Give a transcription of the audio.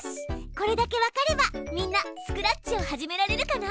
これだけわかればみんなスクラッチを始められるかな？